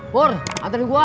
bur antri gua